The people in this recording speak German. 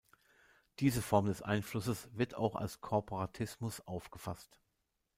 Diese Form des Einflusses wird auch als Korporatismus aufgefasst.